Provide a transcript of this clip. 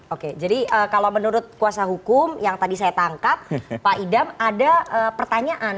oke jadi kalau menurut kuasa hukum yang tadi saya tangkap pak idam ada pertanyaan